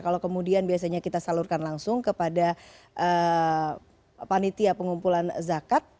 kalau kemudian biasanya kita salurkan langsung kepada panitia pengumpulan zakat